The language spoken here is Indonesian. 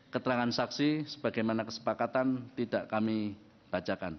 keterangan saksi sebagaimana kesepakatan tidak kami bacakan